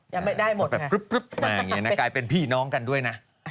ยังไม่ได้หมดค่ะกลายเป็นพี่น้องกันด้วยนะ